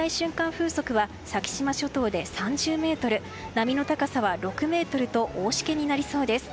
風速は先島諸島で３０メートル波の高さは６ｍと大しけになりそうです。